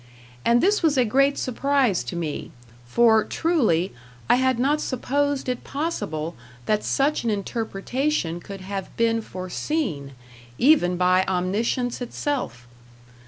And this was a great surprise to me for, truly, I had not supposed it possible that such an interpretation could have been foreseen, even by Omniscience itself.